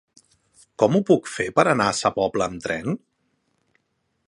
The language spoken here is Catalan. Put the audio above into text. Com ho puc fer per anar a Sa Pobla amb tren?